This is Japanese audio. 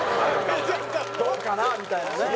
「どうかな？」みたいなね。